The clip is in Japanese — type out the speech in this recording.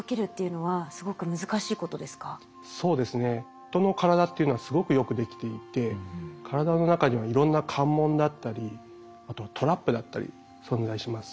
人の体っていうのはすごくよくできていて体の中にはいろんな関門だったりあとはトラップだったり存在します。